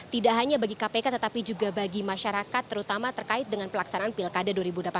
tidak hanya bagi kpk tetapi juga bagi masyarakat terutama terkait dengan pelaksanaan pilkada dua ribu delapan belas